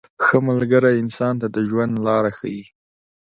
• ښه ملګری انسان ته د ژوند لاره ښیي.